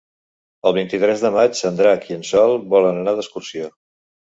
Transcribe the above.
El vint-i-tres de maig en Drac i en Sol volen anar d'excursió.